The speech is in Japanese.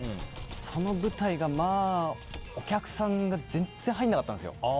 その舞台が、お客さんが全然入らなかったんですよ。